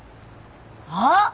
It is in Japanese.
あっ！